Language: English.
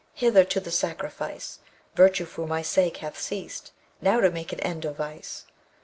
Hither to the sacrifice! Virtue for my sake hath ceased: Now to make an end of Vice!